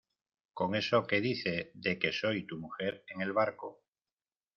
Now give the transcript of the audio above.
con eso que dice de que soy tu mujer en el barco.